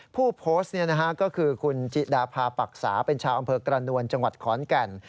ผู้โพสต์ก็คือคุณจิดาพาปรักษาเป็นชาวอำเภอกระนวลจังหวัดขอนแก่น